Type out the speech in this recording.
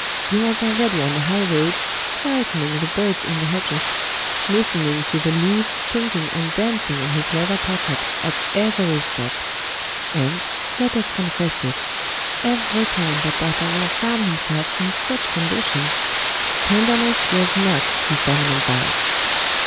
He was already on the high road, frightening the birds in the hedges, listening to the livres chinking and dancing in his leather pocket, at every step; and, let us confess it, every time that D'Artagnan found himself in such conditions, tenderness was not his dominant vice.